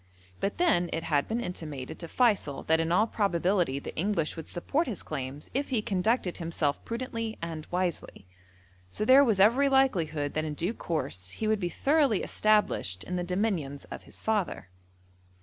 But then it had been intimated to Feysul that in all probability the English would support his claims if he conducted himself prudently and wisely. So there was every likelihood that in due course he would be thoroughly established in the dominions of his father.